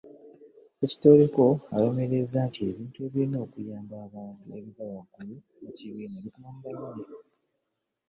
Ssekitoleko alumirizza nti ebintu ebirina okuyamba abantu ebiva waggulu mu kibiina bikoma mu banene